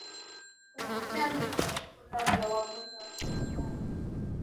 kuna aina mbili ya vyakula vya wagonjwa wa kisukari